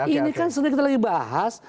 ini kan sebenarnya kita lagi bahas